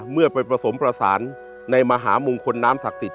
เมื่อไปผสมประสานในมหามงคลน้ำศักดิ์สิท